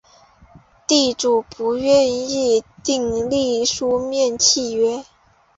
地主不愿意订立书面契约